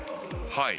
はい。